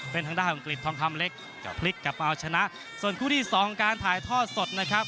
เป็นทางด้านกริดทองคำเล็กกับพลิกกระเป๋าชนะส่วนคู่ที่สองการถ่ายท่อสดนะครับ